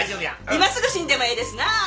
今すぐ死んでもええですなあ？